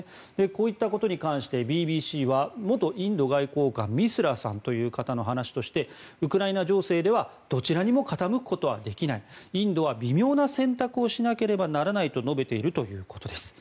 こういったことに関してＢＢＣは元インド外交官ミスラさんという方の話としてウクライナ情勢ではどちらにも傾くことはできないインドは微妙な選択をしなければならないと述べているということです。